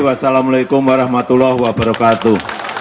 wassalamu'alaikum warahmatullahi wabarakatuh